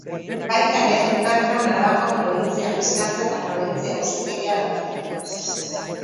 Baita ere, bertan Arabako Probintzia-Fiskaltza eta Probintzia-Auzitegia daude.